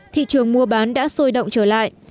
thị trường mua bán đã sôi động trở lại